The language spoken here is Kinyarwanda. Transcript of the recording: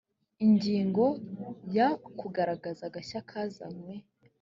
ingingo ya kugaragaza agashya kazanywe